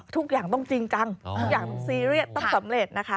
ทุกอย่างต้องจริงจังทุกอย่างซีเรียสต้องสำเร็จนะคะ